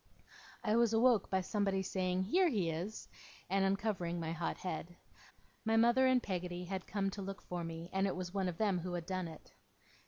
I was awoke by somebody saying 'Here he is!' and uncovering my hot head. My mother and Peggotty had come to look for me, and it was one of them who had done it.